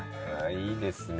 いいですね。